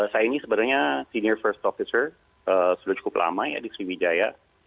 saya ini sebenarnya senior first officer sudah cukup lama ya di sriwijaya